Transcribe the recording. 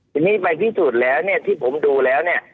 ทีนี้ไปพิสูจน์แล้วเนี่ยที่ผมดูแล้วเนี่ย